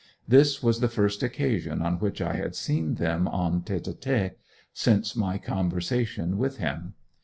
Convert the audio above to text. This was the first occasion on which I had seen them en tete a tete since my conversation with him.